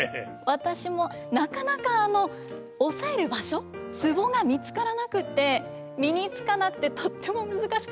私もなかなか押さえる場所ツボが見つからなくて身につかなくてとっても難しかった印象があります。